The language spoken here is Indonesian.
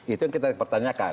itu yang kita pertanyakan